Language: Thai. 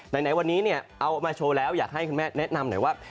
ไหนวันนี้เนี่ยเอามาโชว์แล้วอยากให้คุณแม่แนะนำหน่อยว่า